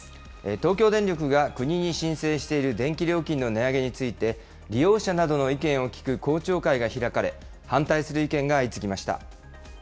東京電力が国に申請している電気料金の値上げについて、利用者などの意見を聞く公聴会が開かれ、反対する意見が相次ぎました。